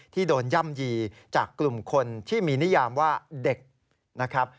ที่โดนย่ำยีจากกลุ่มคนที่มีนิยามว่าเด็กนะครับ